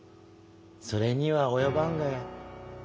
それには及ばんがや。